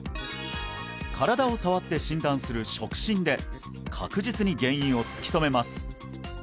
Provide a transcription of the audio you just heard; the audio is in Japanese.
身体を触って診断する触診で確実に原因を突き止めます